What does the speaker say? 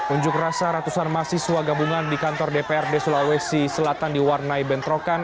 unjuk rasa ratusan mahasiswa gabungan di kantor dpr di sulawesi selatan di warnai bentrokan